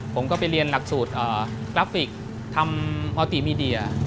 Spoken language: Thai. ผมก็ไปเรียนหลักสูตรกราฟิกทำฮอลติมีเดีย